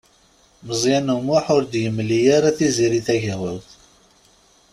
Meẓyan U Muḥ ur d-yemli ara Tiziri Tagawawt.